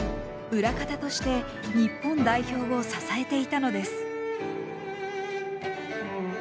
裏方として日本代表を支えていたのです。